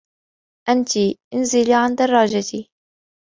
أنتِ، انزلي عن درّاجتي.